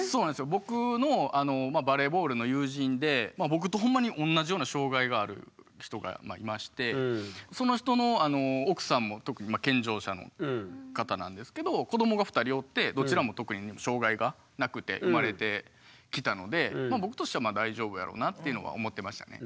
僕のバレーボールの友人で僕とほんまに同じような障害がある人がいましてその人の奥さんも健常者の方なんですけど子どもが２人おってどちらも特に障害がなくて生まれてきたので僕としては大丈夫やろうなっていうのは思ってましたね。